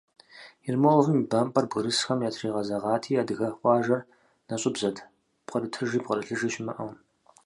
Ермоловым и бампӀэр бгырысхэм ятригъэзэгъати, адыгэ къуажэр нэщӀыбзэт, пкърытыжи пкърылъыжи щымыӀэу…